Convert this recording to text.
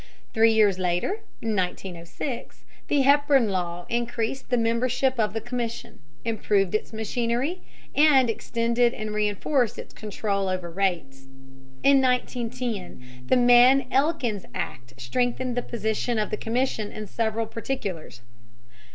Three years later (1906) the Hepburn Law increased the membership of the Commission, improved its machinery, and extended and reinforced its control over rates. In 1910 the Mann Elkins Act strengthened the position of the Commission in several particulars.